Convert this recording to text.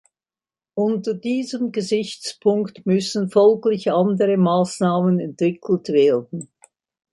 Unter diesem Gesichtspunkt müssen folglich andere Maßnahmen entwickelt werden.